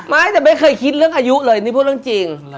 ไม่แต่ไม่เคยคิดเรื่องอายุเลยนี่พูดเรื่องจริง